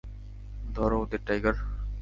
ধরো ওদের, টাইগার!